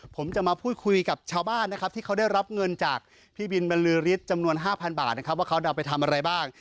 ผมจะมาพูดคุยกับชาวบ้านนะครับที่เขาได้รับเงินจากพี่บินบรรลือฤทธิ์จำนวน๕๐๐บาทนะครับว่าเขานำไปทำอะไรบ้าง